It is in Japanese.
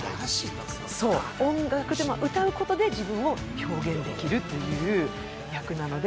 音楽でも、歌うことで自分を表現できるという役なので。